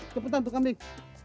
cepetan tuh kambing